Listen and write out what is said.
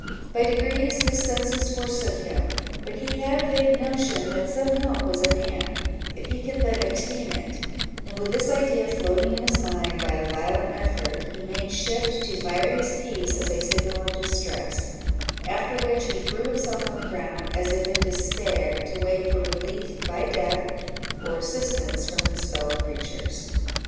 By degrees his senses forsook him; but he had a vague notion that some help was at hand, if he could but attain it; and with this idea floating in his mind, by a violent effort he made shift to fire his piece as a signal of distress; after which, he threw himself on the ground, as if in despair, to wait for relief by death, or assistance from his fellow creatures.